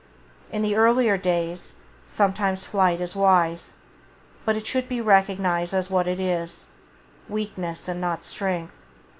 In the earlier days sometimes flight is wise, but it should be recognized as what it is — weakness, and not strength.